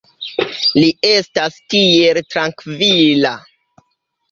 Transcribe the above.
Li estas tiel trankvila.